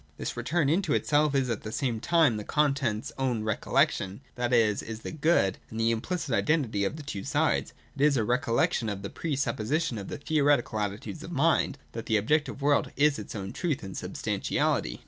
This return into itself is at the same time the content's own 'recollection' that it is the Good and the implicit identity of the two sides, — it is a ' recollection ' of the pre supposition of the theoretical attitude of mind (§ 224) that the objective world is its own truth and substantiality.